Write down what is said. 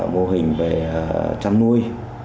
mô hình về chăn nuôi